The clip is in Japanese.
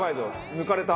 抜かれた！